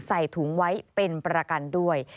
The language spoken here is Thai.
ใส่ถุงไว้เป็นประกันด้วย